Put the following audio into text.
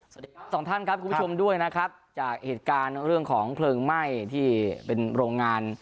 สวัสดีครับสองท่านครับคุณผู้ชมด้วยนะครับจากเหตุการณ์เรื่องของเพลิงไหม้ที่เป็นโรงงาน